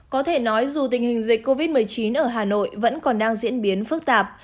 có thể nói dù tình hình dịch covid một mươi chín ở hà nội vẫn còn đang diễn biến phức tạp